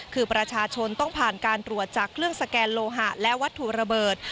คือประชาชนต้องผ่านการตรวจจากเครื่องสแกนโลหะและวัตถุระเบิด